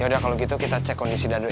ya udah kalo gitu kita cek kondisi dado ya